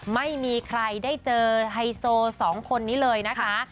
ไม่มีใครได้เจอไฮโซสองคนนี้เลยนะคะ